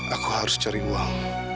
aku harus cari uang